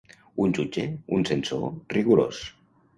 Un jutge, un censor, rigorós.